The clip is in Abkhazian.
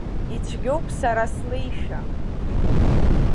Ицәгьоуп сара слеишәа.